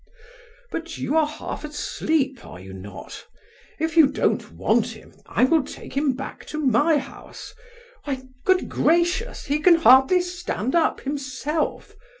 "But you are half asleep, are you not? If you don't want him, I will take him back to my house! Why, good gracious! He can hardly stand up himself!